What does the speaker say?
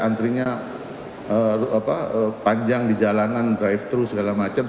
antrinya panjang di jalanan drive thru segala macam